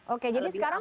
oke jadi sekarang